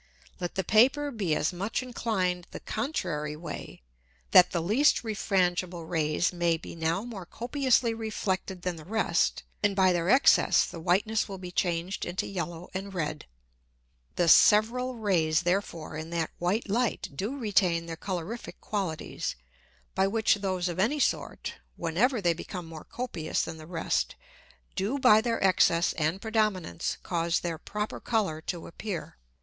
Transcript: Let the Paper be as much inclined the contrary way, that the least refrangible Rays may be now more copiously reflected than the rest, and by their Excess the Whiteness will be changed into yellow and red. The several Rays therefore in that white Light do retain their colorific Qualities, by which those of any sort, whenever they become more copious than the rest, do by their Excess and Predominance cause their proper Colour to appear.